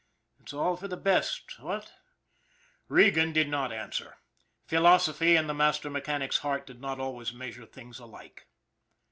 It's all for the best, what ?" Regan did not answer. Philosophy and the master mechanic's heart did not always measure things alike.